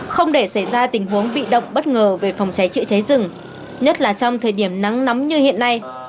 không để xảy ra tình huống bị động bất ngờ về phòng cháy chữa cháy rừng nhất là trong thời điểm nắng nóng như hiện nay